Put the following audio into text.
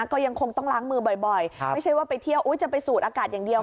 ก็ยังคงต้องล้างมือบ่อยไม่ใช่ว่าไปเที่ยวจะไปสูดอากาศอย่างเดียว